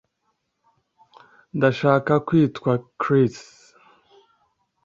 Ndashaka kwitwa Chris